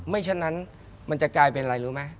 ฉะนั้นมันจะกลายเป็นอะไรรู้ไหม